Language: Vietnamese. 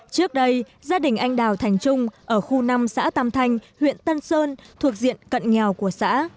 trước đây gia đình anh đào thành trung ở khu năm xã tam thanh huyện tân sơn thuộc diện cận nghèo của xã